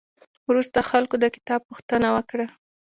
وروسته خلکو د کتاب پوښتنه وکړه.